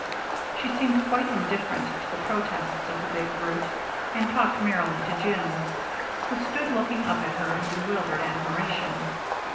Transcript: She seemed quite indifferent to the protests of the big brute, and talked merrily to Jim, who stood looking up at her in bewildered admiration.